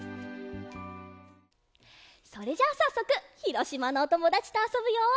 それじゃあさっそくひろしまのおともだちとあそぶよ！